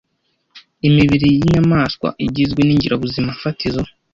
Imibiri yinyamaswa igizwe ningirabuzimafatizo.